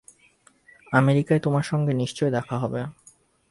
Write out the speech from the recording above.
আমেরিকায় তোমার সঙ্গে নিশ্চয়ই দেখা হবে।